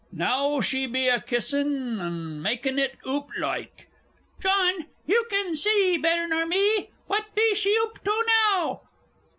Now she be a kissin' of 'un maakin' it oop loike.... John, you can see better nor me what be she oop to now?...